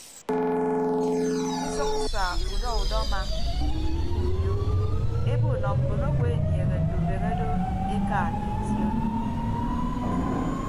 Ke usʌñ sa udọ udọma ke uyo ebo nọ mbonowo enieehe ndubehe do eka ke itie odo.